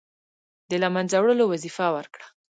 د له منځه وړلو وظیفه ورکړه.